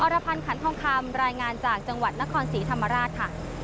รพันธ์ขันทองคำรายงานจากจังหวัดนครศรีธรรมราชค่ะ